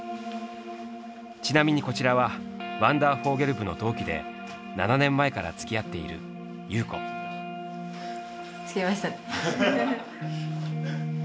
ちなみにこちらはワンダーフォーゲル部の同期で７年前からつきあっている着きました。